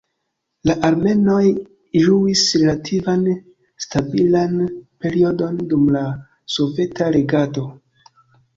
La armenoj ĝuis relativan stabilan periodon dum la soveta regado.